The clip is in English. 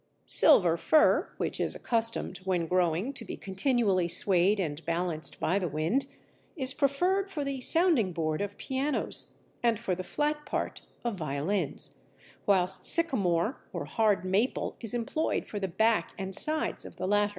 Silver fir, which is accustomed, when growing, to be continually swayed and balanced by the wind, is preferred for the sounding board of pianos and for the flat part of violins, whilst Sycamore or hard Maple is employed for the back and sides of the latter.